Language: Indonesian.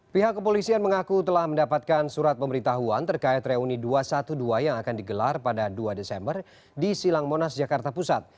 pihak kepolisian mengaku telah mendapatkan surat pemberitahuan terkait reuni dua ratus dua belas yang akan digelar pada dua desember di silang monas jakarta pusat